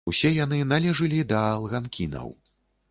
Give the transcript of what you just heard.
Усе яны належылі да алганкінаў.